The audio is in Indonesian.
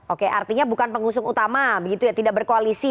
oke artinya bukan pengusung utama begitu ya tidak berkoalisi